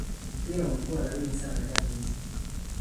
mpira umekua laini sana nyakati hizi